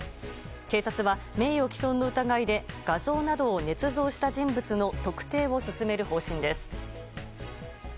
警察は、名誉棄損の疑いで画像などをねつ造した人物の特定を進める方針です。